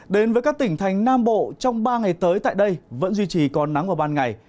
đến với các tỉnh thành nam bộ trong ba ngày tới tại đây vẫn duy trì còn nắng vào ban ngày